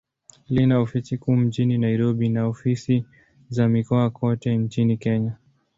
Lina ofisi kuu mjini Nairobi, na ofisi za mikoa kote nchini Kenya.